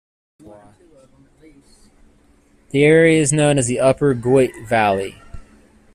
The area is known as the Upper Goyt Valley.